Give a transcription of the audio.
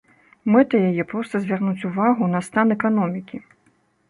Мэта яе проста звярнуць увагу на стан эканомікі.